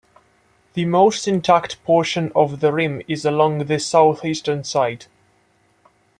The most intact portion of the rim is along the southeastern side.